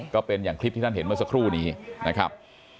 ก็เป็นอย่างคลิปที่ท่านเห็นเมื่อสักครู่นี้นะครับ